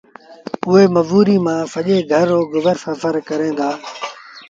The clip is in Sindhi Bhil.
اُئي مزوريٚ مآݩ سڄي گھر رو گزر سڦر ڪريݩ دآ۔